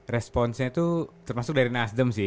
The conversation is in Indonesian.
responsnya itu termasuk dari nasdem sih